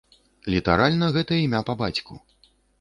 Літаральна гэта імя па бацьку.